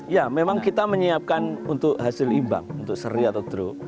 ya memang kita menyiapkan untuk hasil imbang untuk seri atau drop